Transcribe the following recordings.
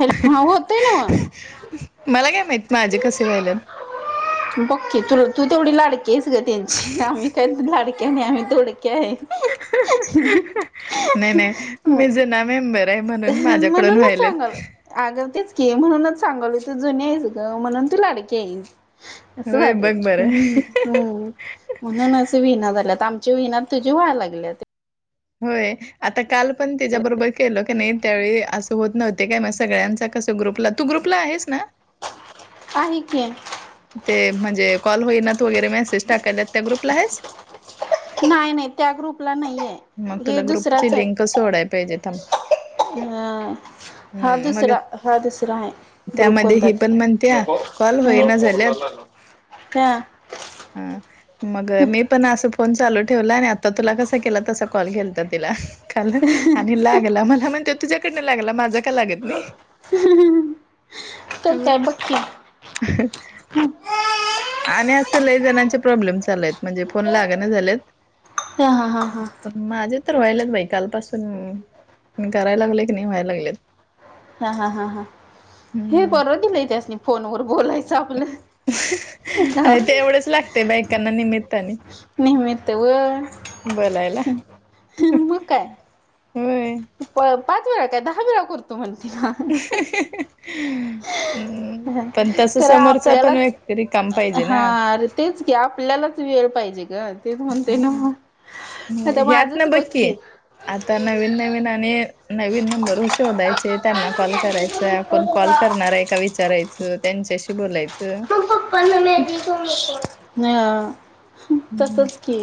Hello हा होतय नव्ह मला काय माहित माझे कसे व्हायल्यात. बगकी. तु तू तेवढी लाडकी आहेस ग त्यांची आम्ही काही लाडक्या नाही, आम्ही तोडक्या हाय. [inaudible] नाय नाय. मी जुना मेंबर आहे म्हणून माझ्याकडून व्हायलेत. आग तेच की म्हणूनच सांगलोय त जुनी आहेस ग म्हणून तू लाडकी आहेस. अस होय व्हायलय. बघ बरं. हम्. म्हणून असे विहिना झाल्यात आमची विहिना तुझी व्हा्यलागल्यात. होय. आता काल पण त्याच्याबरोबर केल क नाही त्यावेळी असं होत नव्हते काय मग सगळ्यांचा कसं ग्रुपला तू ग्रुपला आहेस ना. आहे की. ते म्हणजे कॉल होईनात वगैरे मेसेज टाकाल्यात त्या ग्रुपला हाईस. नाही नाही त्या ग्रुपला नाहीेय. मग हे तुला ग्रुपची दुसराच हाय. लिंक सोडाय पाहिजे थांब. हं. हा हम्म मग दुसरा हा दुसरा हाय ग्रुप त्यामध्ये कोणता ही त पण म्हणत्या कॉल होईना झाल्यात का. हा. मग मी पण असं फोन चालू ठेवला आणि आता तुला कसा केला तसा कॉल गेलता तिला. खल आणि लागला मला म्हणत्यात तुझ्याकडन लागला माझा का लागत नही. तर काय बग की. आणि असं लई जणांचे प्रॉब्लेम चालु हायत. म्हणजे फोन लागना झालेत. ह हां हां हां. पण माझे तर व्हायलेत बाई कालपासून मी करायला लागलोय क नाई, व्हायला लागलेत. हा हा हा हा. हे हम्म बर दिलंय त्यासनी फोन वर बोलायचं. आपलं होय तेवढंच लागतेय बायकांना निमित्ताने. निम्हीत वय. बोलायला. काय होय. पाच वेळा काय दहा बेरा करतो म्हणते ना. [inaudible] हम्म पण तस तर समोरच पण आपल्यालाच तरी काम पाहिजे हा ना. अरे तेच की. आपल्यालाच वेळ पाहिजे ग. तेच म्हणते नावो. आता ह्यात ना माझंच बघकी बक्की. आता नवीन नवीन आणि नवीन नंबर शोधायचे, त्यांना कॉल करायचे. कोण कॉल करणार हाय का विचारायचं, त्यांच्याशी बोलायचं. नेहा. हम्म तसच की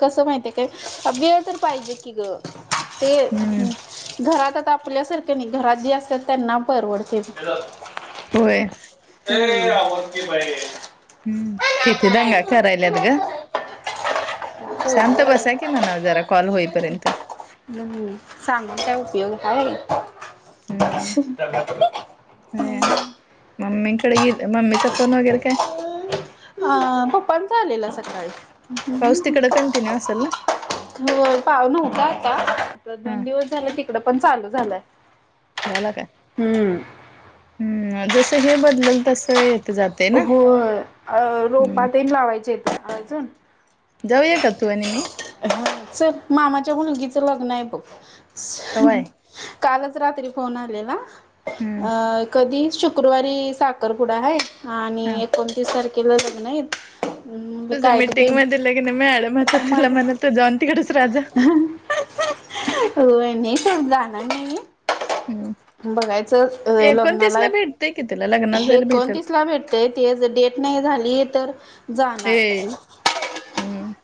कसं माहिती आहे काय वेळ तर पाहिजे की ग. ते हम्म घरात. आपल्यासारख्या नाही घरात जे असतात त्यांना परवडते. होय. [unintelligible] हम्म किती दगा करायलात ग. शांत बसा की म्हणा जरा कॉल होईपर्यंत. सांगून काय उपयोग ह. अ मम्मीकडे गे मम्मीचा फोन वगैरे काय? ह पप्पांचा आलेला सकाळी. पाऊस तिकडं कंटिन्यू असेल ना. हो पाऊलव्हता आता आ हा दोन दिवस झाले तिकड पण चालू झालंय. झाला काय हम् जस हे बदलल तस य. हो हम्म रोपातहीन लावायचेेत अजून. जाऊया क तू आहे नि मी. च मामाच्या मुलगीचं लग्न आहे बघ. कवाय कालच रात्री फोन आ हम्म कधी? शुक्रवारी साखरपुडा आहे आणि हा एकोणतीस तारखेला लग्न आहेत. म्हणलं तुझं काय ग बाई मीटिंग मध्ये लगेन म आडमत तुला म्हणत जॉन तिकडच राहत. होणे स जाण नाही. हम्म बघायचं एकोणतीस लग्नाला ला भेटतय की तिला लग्नाला जायला भेटेल एकोणतीस. भेटतय ते डेट नाही झाली तर जाणार. ए हम्म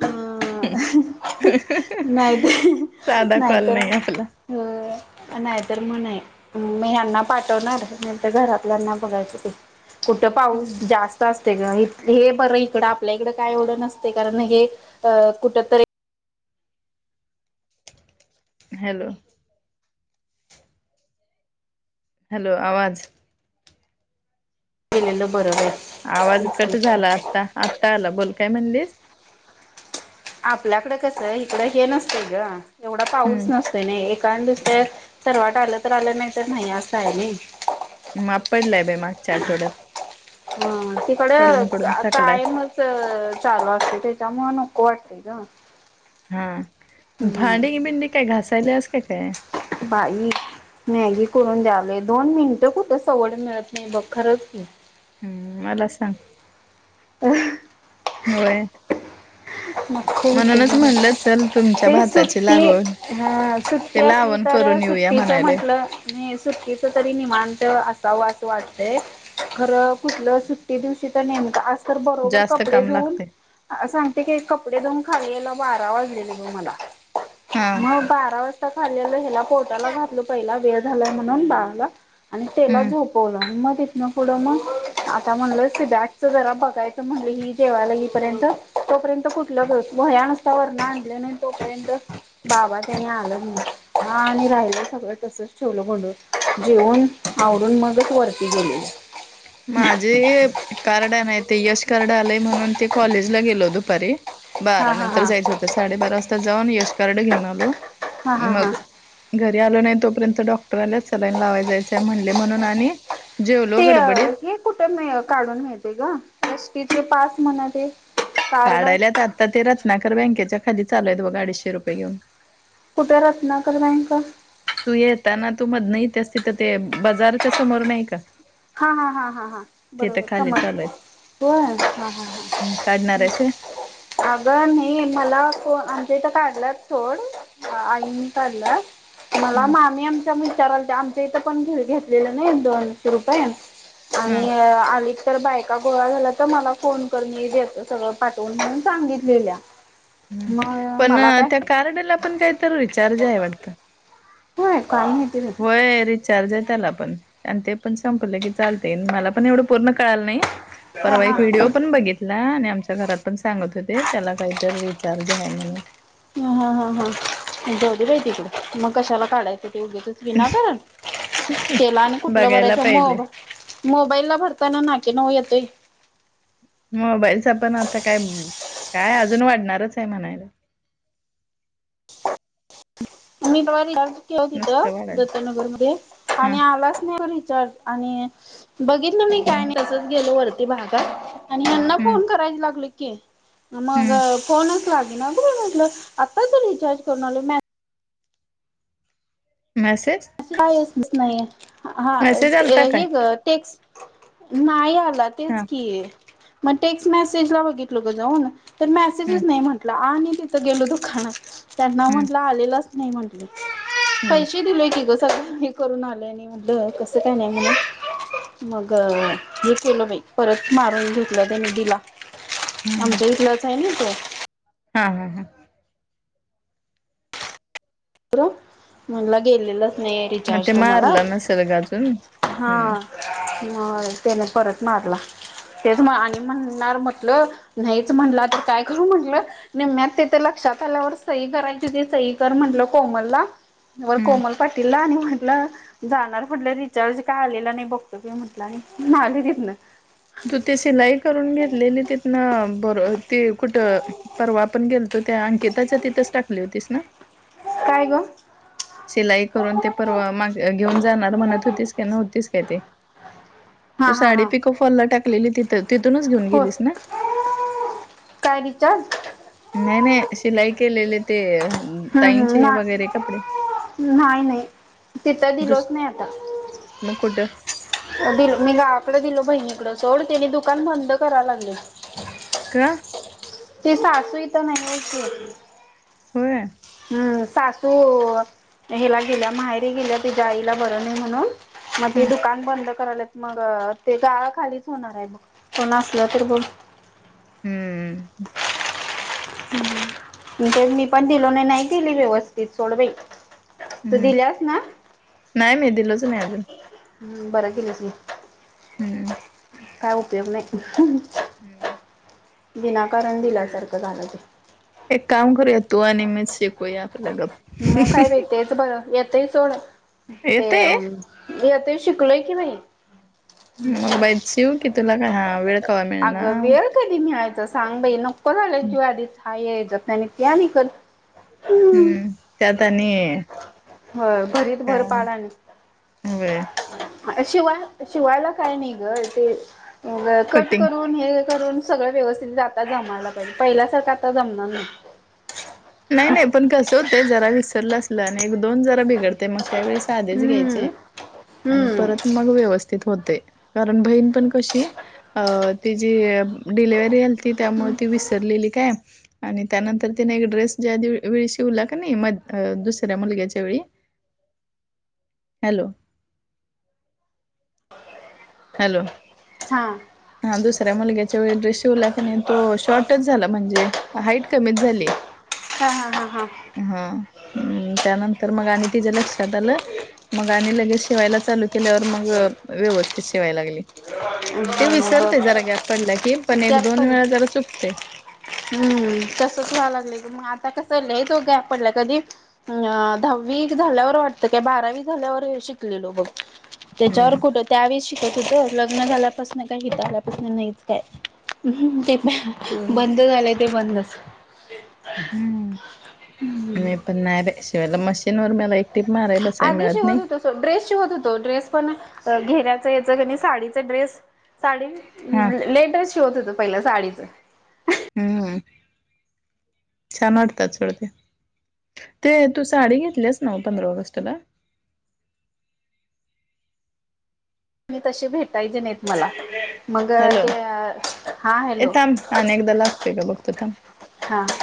अ नाहीतर साधा कॉल नाहीतर नाही आपला [inaudible] नाही तरर म मी ह्यांना पाठवणार नाही तर घरातल्यांना बघायच ते. कुठं पाऊस जास्त असते ग हे बरं इकडं आपल्या इकडं काय एवढं नसते कारण नाही. अ कुठत. हॅलो! हॅलो आवाज. केलेल बरोबर. आवाज कट झाला आता आत्ता आला बोल काय म्हणलीस. आपल्याकडे कस, इकडं हे नसतय ग, एवढा पाऊस हम्म नसतोय ना काण दिसत सर्वट आलं तर आलं नाही तर नाही असं आहे नाही. माप पडलाय बाई, मागच्या आठवड्यात. हम्, तिकड आ पडून पडून का थकलाय कायमच चालू असतय त्याच्यामुळ नको वाटतय ग. हम्म, हम्म. भांडी बिंडी काय घासायल्यास क काय? बाई मॅगी करून दद्यायलोय, दोन मिनटं कुठं सवड मिळत नाही बघ, खरंच हम्म, मला सांग [unintelligible] [inaudible] होय. म्हणूनच म्हणलं चल [unintelligible] तुमच्या ते भाताची सुट्टी लागवड [unintelligible] ते असली लावण तर करून येऊया सुट्टीच म्हणायलोय म्हंटलं नाही सुटकीच तरी निमांत असावं असं वाटतय खरं कुठलं सुट्टी दिवशी तर नेमक, आज तर बरोबर जास्त कपडे काम धुऊन लागते सांगते की, कपडे धूऊन खाली यायला बारा वाजलेले बग मला, हा मग बारा वाज खाली आल, ह्याला पोटाला घातल पहिला, वेळ झालाय म्हणून बाळाला. आणि तेला हम्म झोपवलं, मग तिथन पुढं मग, आता म्हणलं ते बॅट जरा बघायचं म्हणलं, ही जेवायला येईपर्यंत तोपर्यंत कुठलं ग, वह्या नुसता वरण आणलं नाही तोपर्यंत बाबा त्यानी आलं, म्ह आणि राहिलं सगळं तसच ठेवलं वढुन जेऊन, आवरुन मगच वरती गेलो. माझे कार्ड हाय माहिती हाय, ते यश कार्ड आलंय म्हणून ते कॉलेज ला गेलो दुपारी हा बारा हा नंतर हा जायचं होतं, साडेबारा वाजता जाऊन यश कार्ड घेऊन आलो हा हा हा मग घरी आलो नाही तोपर्यंत, डॉक्टर आल्यात सलाईन लावाय जायचंय म्हणले म्हणून, आणि जेवलो ते गडबडीत हे कुठे म काढून मिळतय ग, एसटीचे पास म्हण ते? कार्ड काढायल्यात, आता ते रत्नाकर बँकेच्या खाली चालू आहेत बघ, अडीचशे रुपये घेऊन. कुठ रत्नाकर बँक? तू येताना तू मधन इत्यास तिथं ते बाजारच्या समोर नाही का हा हा हा हा हा, तिथं बरोबर खाली समोर. चालू होय, हा हा हा. आहेत काढणार आहेस होय अगं नाही, मला फो आमच्या इथं काढल्यात सोड, आईनी काढल्यात मला हम्म मामी आमच्या विचारालत्या, आमच्या इथं पण घेतलेलं नाही दोनशे रुपये हा आणि आली तर बायका गोळा झाल्या तर, मला फोन कर, मीे देतो सगळं पाठवून म्हणून सांगितलेल्या. ह मग पण मला काय त्या कार्डला पण काय तर रिचार्ज आहे वाटतं? होय काय माहिती बाई? होय, रिचार्ज आहे त्याला पण, आणि ते पण संपलं की चालतय, मला पण एवढं पूर्ण कळाल नाही. हा परवा हा एक व्हिडिओ पण बघितलाय आणि आमच्या घरात पण सांगत होते, त्याला काहीत रिचार्ज आहे म्हणून हा हा हा हा, जाऊदे बाई तिकड, मग कशाला काढायचं ते उगच विनाकारण, तेला आणि कुठलं बघायला भरायचं पाहिजे मग मोबाईला भरताना नाके नऊ येतोय मोबाईलच पण आता काय, काय अजून वाढणारच आहे म्हणायला मी तेव्हा रिचार्ज नुसतं [unintelligible] वाढल दत्तनगरमध्ये [unintelligible] हम्म आणि आलाच नाही ग रिचार्ज आणि बघितलं नाही काय नाही तसच गेलो वरती भागात आणि यांना हम्म फोन करायला लागलो की मग हम्म. फोनच लागे ना ब म्हटलं आताच रिचार्ज करून आ मॅसेज काहीच नाही हा मेसेज आलता काय हे ग टेक्स नाही आला हा तेच की. मग टेक्स्ट मेसेज ला बघितलो ग जाऊ तर हम्म मेसेजस नाही म्हटला आणि गेलो दुकानात त्यांना हम्म म्हंटलं आलेलच नाही म्हटले हम्म पैसे दिलेय की ग हे करून आलं आणि म्हटलं कसं काय नाही म्हण मग हे केलं बाई परत मारून घेतलं त्यानी दिला. हम्म. आमच्या इथलाच आहे ना तो. हा हा हा मला गेलेलंच नाही आहे मग रिचार्ज ते तुम्हाला मारलं नसेल ग अजून हा हम्म. ह त्याने परत मारला. ते त आणि म्हणणार म्हटलं नाहीच म्हटला तर काय करू म्हंटलं. निम्म्यात तेिथे लक्षात आल्यावर सही करायची ती सही कर म्हंटलं कोमल ला वर हम्म कोमल पाटील ला आणि म्हटलं जाणार फुटलं रिचार्ज काय आलेला नाही बघतो का म्हटलं आलेलीतन तू ते सिलाई करून घेतलेली तिथ ना बर ते कुठं परवा पण गेलतो त्या अंकिताच्या तिथंच टाकली होतीस ना. काय ग सिलाई करून ते परवा माग घेऊन जाणार म्हणत होतीस का न्हतीस काय ते तू हा हा साडी हा पिको फॉल ला टाकली तिथं तिूनच घेऊन हो गेलीस ना? काय रिचार्ज? नाही नाही शिलाई केलेले ते हम्म हम्म ताईचे ना वगैरे कपडे नाही नाही तिथं दुस दिलोच नाही आता. मग कुठ? दि मी गावाकडे दिलो बहिणीकड सोड त्यानी दुकान बंद करावला लागलेत. का? ती सासू इथे नाहीये की. होय. हम् सासू हेला गेल्या माहेरी गेल्या तिच्या आईला बर नाही म्हणून म ते हम्म दुकान बंद करालेत मग ते गाळा खालीच होणार आहे बग कोण असलं तर बग. हम्म मी पण दिलो नाही नाही दिली व्यवस्थित सोड बाई. तू हम्म दिलेस ना नाही मी दिलोच नाही अजून बरं केलीस मग. हम्म काय उपयोग नाही. हम्म विनाकारण दिल्यासारखं झालं ते. एक काम करुया तू आणि मिच शिकूया आपलं गप्प. मग काय ग तेच बरं येतय सोड ते येतंय येतंय शिकलोय की मी मग बाईच शिव की तुला आ वेळ कवा अगं मिळणार वेळ कधी मिळायचा सांग बाई नको झालाय जीव आधीच हाय ह्या हेच्यातून आणी छान इकल. हम्म त्यात आणि होय भरीत भर काय नाही. पाडाने व्हयं. शिवाय शिवायला काय नाही ग ते कट कटिंग अंघोळ करून सगळं व्यवस्थित जाता जमायला पाहिजे पहिल्यासारखं आता जमणार नाही. नाही नाही पण कसं होतं जरा विसरलं असलं आणि एक दोन जरा बिघडते मग त्यावेळेस साधेच हम्म घ्यायचे आणि हम्म परत मग व्यवस्थित होतय कारण बहीण पण कशी अ तिची डिलिवरी आ ती त्यामुळे ती विसरलेली काय आणि त्यानंतर तिने एक ड्रेस ज्या दिव वेळी शिवला का नाही म दुसऱ्या मुलग्याच्या वेळी हॅलो. [inaudible] हॅलो. हा. हा दुसऱ्या मुलग्याच्या वेळी ड्रेस शिवला की नाही तो शॉर्टच झाला म्हणजे हाईट कमीच झाली. [inaudible] हां हां हां हां. हां हंम त्यानंतर मगं आणि तिच्या लक्षांत आलं मगं आणि लगेच शिवायला चालूं केल्यावर मगं व्यवस्थित शिवायला लागली. ते बघ विसरते जरा गॅप पडला की पण एक गॅप दोन वेळा पडला जरा चुकते. हम्म तसच व्हाय लागलंय मग आता कसं लई तो गॅप पडला कधी. अ दहावी झाल्यावर वाटतं काय बारावी झाल्यावर शिक शिकलेलो बघ त्याच्यावर हम्म. कुठं त्यावेळेस शिकत होतो. लग्न झाल्यापासन काय इथे आल्यापासुन नाहीच काय हू हू हू. होय. बंद झालंय ते बंदचं हम्मं मी पणं मॅड आहे शिवायला मशीन वर मला एक टीप माराय बसाय आदी मिळत शिवत नाही. होतस. ड्रेस शिवत होतो ड्रेस पणं घेण्याचं याचं कणी साडीचा ड्रेस साडी हा लेटस शिवत होतो पहिलं साडीचं हम्म छान वाटतांत खरं ते, ते तू साडी घेतलीसं नां पंधरा ऑगस्टला? मी तसे भेटायचे नाहीतं मला मगं ते हां हॅलो. आं न एकदा लागते आहे कां बघते थांब. हां.